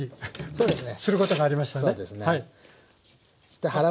そうですね。